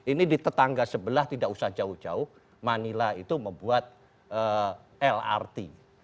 jadi di tetangga sebelah tidak usah jauh jauh manila itu membuat lrt